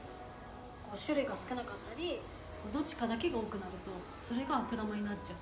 こう種類が少なかったりどっちかだけが多くなるとそれが悪玉になっちゃう。